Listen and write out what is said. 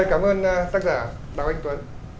cảm ơn tác giả đào anh tuấn